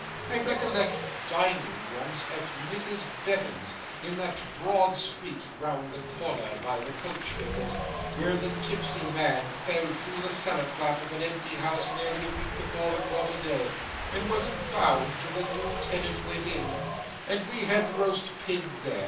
I recollect dining once at Mrs. Bevan's, in that broad street round the corner by the coachmaker's, where the tipsy man fell through the cellar flap of an empty house nearly a week before the quarter day, and wasn't found till the new tenant went in and we had roast pig there.